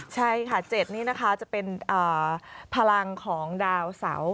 ใช่ค่ะ๗นี้นะคะจะเป็นพลังของดาวเสา